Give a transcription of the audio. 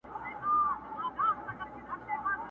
نه یې رنګ نه یې آواز چاته منلی٫